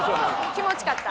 気持ち良かった？